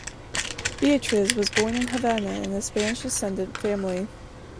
Beatriz was born in Havana in a Spanish-descendent family.